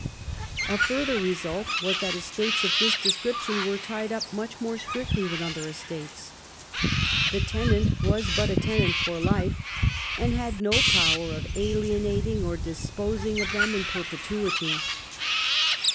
A further result was that estates of this description were tied up much more strictly than other estates. The tenant was but a tenant for life, and had no power of alienating or dis posing of them in perpetuity.